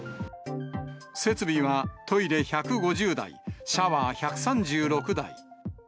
設備は、トイレ１５０台、シャワー１３６台。